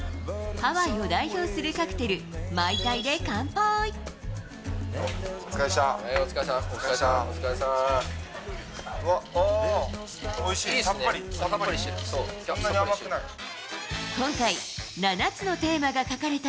ハワイを代表するカクテル、お疲れでした。